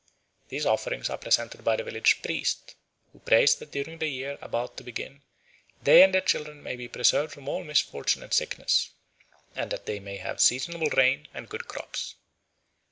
These offerings are presented by the village priest, who prays that during the year about to begin they and their children may be preserved from all misfortune and sickness, and that they may have seasonable rain and good crops.